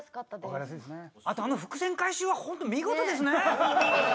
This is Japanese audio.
あとあの伏線回収はホント見事ですね！